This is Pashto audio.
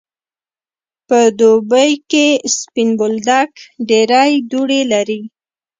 په دوبی کی سپین بولدک ډیری دوړی لری.